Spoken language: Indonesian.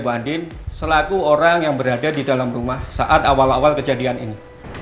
bapak andin selaku orang yang berada di dalam rumah saat awal awal kejadian ini